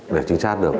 để trinh sát được